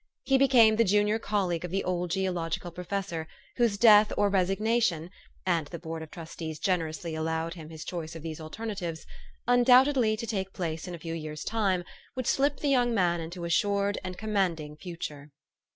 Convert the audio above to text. He became the junior colleague of the old geological professor, whose death or resignation (and the Board of Trustees generously allowed him his choice of these alternatives), undoubtedly to take place in a few years' time, would slip the young man into an assured and commanding future.